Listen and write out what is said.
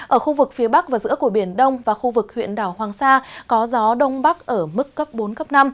ở khu vực phía bắc và giữa của biển đông và khu vực huyện đảo hoàng sa có gió đông bắc ở mức cấp bốn năm